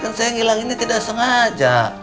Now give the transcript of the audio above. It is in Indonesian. kan saya ngilanginnya tidak sengaja